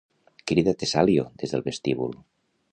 —crida Tesalio des del vestíbul